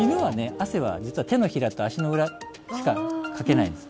汗は実は手のひらと足の裏しかかけないんです